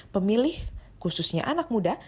pemilih khususnya anak muda